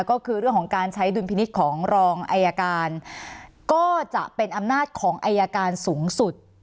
ก็คือเรื่องของการใช้ดุลพินิษฐ์ของรองอายการก็จะเป็นอำนาจของอายการสูงสุด